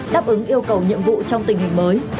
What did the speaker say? đáp ứng yêu cầu nhiệm vụ trong tình hình mới